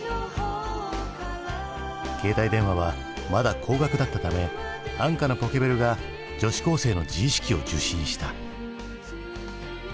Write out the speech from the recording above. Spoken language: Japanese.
携帯電話はまだ高額だったため安価なポケベルが女子高生の自意識を受信した。